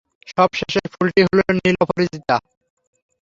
সব-শেষের ফুলটি হল নীল অপরাজিতা।